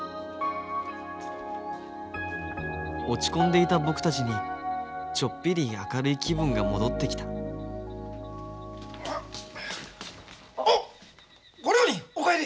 落ち込んでいた僕たちにちょっぴり明るい気分が戻ってきたおっご両人おかえり！